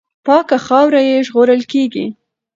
پاکه خاوره یې ژغورل کېږي.